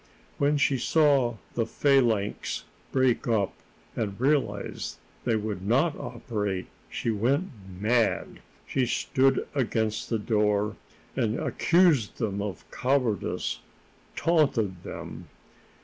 When she saw the phalanx break up, and realized that they would not operate, she went mad. She stood against the door, and accused them of cowardice taunted them.